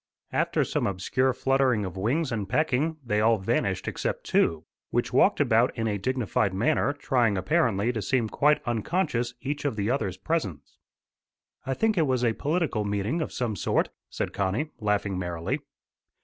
After some obscure fluttering of wings and pecking, they all vanished except two, which walked about in a dignified manner, trying apparently to seem quite unconscious each of the other's presence. "I think it was a political meeting of some sort," said Connie, laughing merrily.